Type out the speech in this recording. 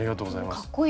かっこいいです。